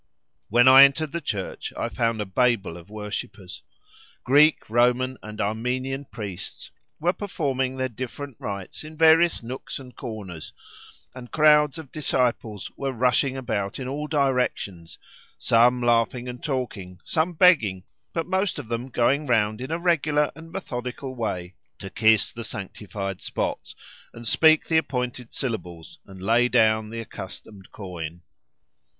When I entered the church I found a babel of worshippers. Greek, Roman, and Armenian priests were performing their different rites in various nooks and corners, and crowds of disciples were rushing about in all directions, some laughing and talking, some begging, but most of them going round in a regular and methodical way to kiss the sanctified spots, and speak the appointed syllables, and lay down the accustomed coin.